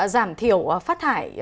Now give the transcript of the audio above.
giảm thiểu phát thải